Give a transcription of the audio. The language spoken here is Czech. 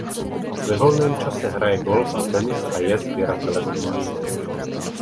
Ve volném čase hraje golf a tenis a je sběratelem umění.